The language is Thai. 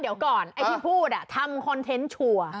เดี๋ยวก่อนไอ้ที่พูดทำคอนเทนต์ชัวร์